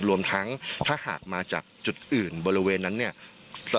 รวมทั้งถ้าหากมาจากจุดอื่นบริเวณนั้นเนี่ย